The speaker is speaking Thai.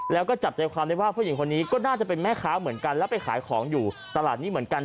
แล้วก็จับใจความได้ว่าผู้หญิงคนนี้ก็น่าจะเป็นแม่ค้าเหมือนกันแล้วไปขายของอยู่ตลาดนี้เหมือนกัน